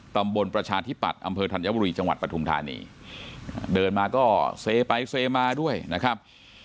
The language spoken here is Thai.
ประชาธิปัตย์อำเภอธัญบุรีจังหวัดปฐุมธานีเดินมาก็เซไปเซมาด้วยนะครับ